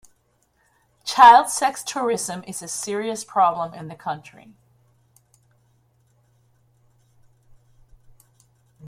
Child sex tourism is a serious problem in the country.